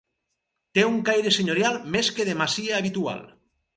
Té un caire senyorial més que de masia habitual.